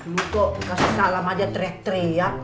lo kok kasih salam aja terek terek